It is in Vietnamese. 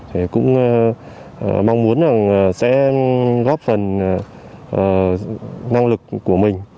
thì cũng mong muốn sẽ góp phần năng lực của mình